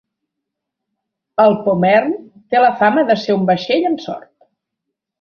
El "Pommern" té la fama de ser un "vaixell amb sort".